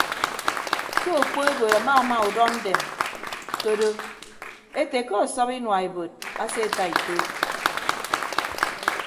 Ke okpoebod amama udọndem ke odo ete ke ọsọp inua ebod aseeta ituud.